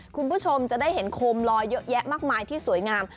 คุณผู้ชมจะได้เห็นโคมลอยเยอะแยะมากมายที่สวยงาม